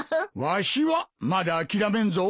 わしはまだ諦めんぞ。